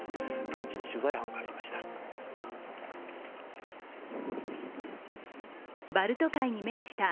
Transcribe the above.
現地に取材班が入りました。